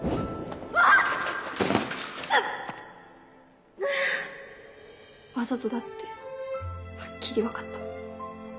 あぁわざとだってはっきり分かった。